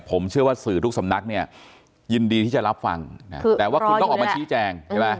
ผมเชื่อว่าสื่อทุกสำนักเนี่ยยินดีที่จะรับฟังแต่ว่าคุณต้องออกมาชี้แจงใช่ไหม